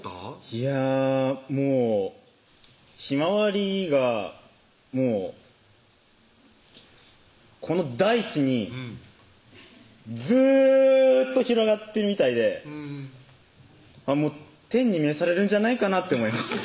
いやもうひまわりがもうこの大地にずーっと広がってるみたいでうん天に召されるんじゃないかなって思いました